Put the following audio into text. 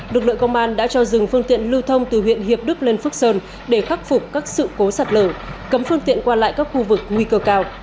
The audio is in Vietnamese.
lực lượng công an đã cho dừng phương tiện lưu thông từ huyện hiệp đức lên phước sơn để khắc phục các sự cố sạt lở cấm phương tiện qua lại các khu vực nguy cơ cao